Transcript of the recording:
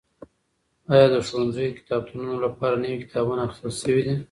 ایا د ښوونځیو د کتابتونونو لپاره نوي کتابونه اخیستل شوي دي؟